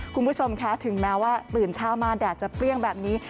คุณผู้ชมคะถึงแม้ว่าตื่นเช้ามาแดดจะเปรี้ยงแบบนี้